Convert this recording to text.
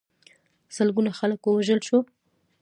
سلګونه خلک ووژل شول.